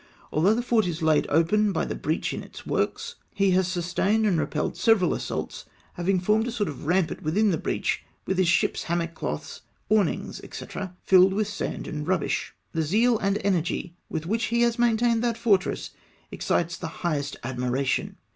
Although the fort is laid open by the breach in its works, he has sustained and repelled several assaults, having formed a sort of rampart within the breach with his ship's hammock cloths, awnings, &c., filled with sand and rubbish. The zeal and energy with ivhich he has ^maintained that fortress excites the highest admiration.